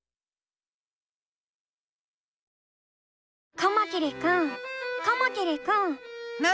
カマキリくんカマキリくん。